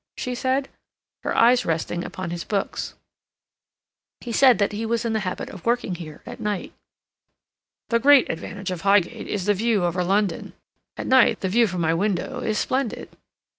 she said, her eyes resting upon his books. He said that he was in the habit of working there at night. "The great advantage of Highgate is the view over London. At night the view from my window is splendid."